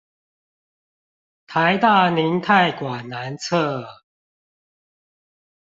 臺大凝態館南側